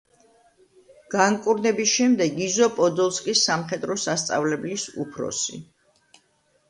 განკურნების შემდეგ იზო პოდოლსკის სამხედრო სასწავლებლის უფროსი.